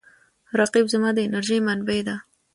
رقیب زما د انرژۍ منبع دی